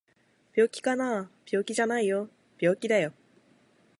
病気かな？病気じゃないよ病気だよ